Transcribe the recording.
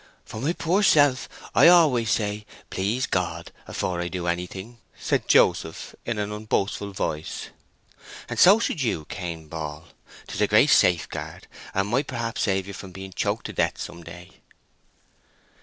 "For my poor self, I always say 'please God' afore I do anything," said Joseph, in an unboastful voice; "and so should you, Cain Ball. 'Tis a great safeguard, and might perhaps save you from being choked to death some day."